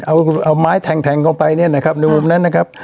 เอาเอาไม้แทงแทงเข้าไปเนี่ยนะครับในมุมนั้นนะครับ